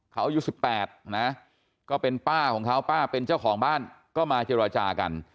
เขาอายุ๑๘นะก็เป็นป้าของเขาป้าเป็นเจ้าของบ้านก็มาเจรจากัน